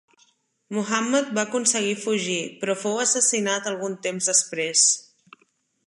Muhammad va aconseguir fugir, però fou assassinat algun temps després.